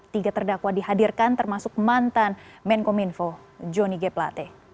tiga terdakwa dihadirkan termasuk mantan menkominfo jonny g plate